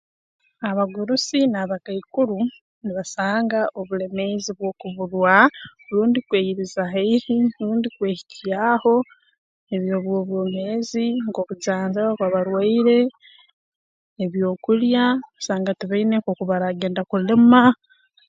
Abagurusi n'abakaikuru nibasanga obulemeezi bw'okuburwa rundi kweyiriza haihi rundi kwehikyaho eby'obwobwomeezi nk'obujanjabi obu bakuba barwaire ebyokulya osanga tibaine nk'oku baraagenda kulima